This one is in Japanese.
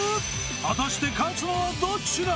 果たして勝つのはどっちだ！？